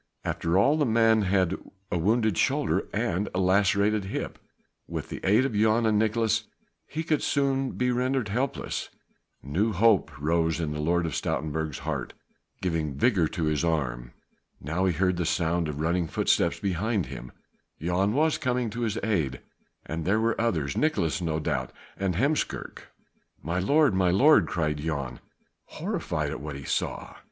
After all the man had a wounded shoulder and a lacerated hip; with the aid of Jan and of Nicolaes he could soon be rendered helpless. New hope rose in the Lord of Stoutenburg's heart, giving vigour to his arm. Now he heard the sound of running footsteps behind him; Jan was coming to his aid and there were others; Nicolaes no doubt and Heemskerk. "My lord! my lord!" cried Jan, horrified at what he saw.